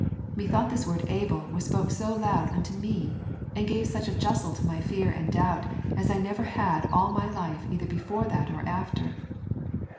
Methought this word able was spoke so loud unto me and gave such a justle to my fear and doubt as I never had all my life either before that or after